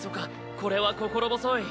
これは心細い。